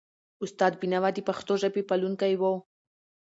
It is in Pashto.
استاد بینوا د پښتو ژبي پالونکی و.